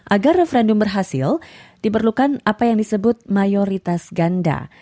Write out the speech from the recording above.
agar referendum berhasil diperlukan apa yang disebut mayoritas ganda